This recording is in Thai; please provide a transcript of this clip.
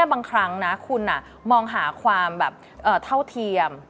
บางครั้งนะคุณมองหาความแบบเท่าเทียม